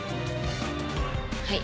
はい。